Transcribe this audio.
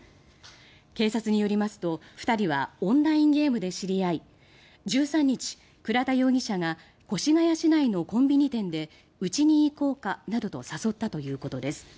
警察によりますと２人はオンラインゲームで知り合い１３日、倉田容疑者が越谷市内のコンビニ店でうちに行こうかなどと誘ったということです。